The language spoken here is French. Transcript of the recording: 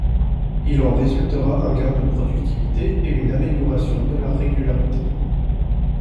Il en résultera un gain de productivité et une amélioration de la régularité.